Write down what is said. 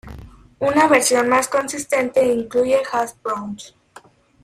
Una versión más consistente incluye hash browns.